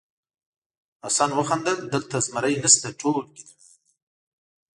حسن وخندل دلته زمری نشته ټول ګیدړان دي.